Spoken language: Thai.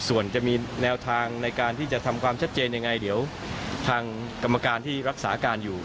ส่วนจะมีแนวทางในการที่จะทำความชัดเจนยังไงเดี๋ยวทางกรรมการที่รักษาการอยู่